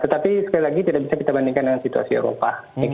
tetapi sekali lagi tidak bisa kita bandingkan dengan situasi eropa